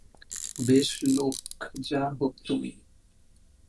বেশ লোক যা হোক তুমি।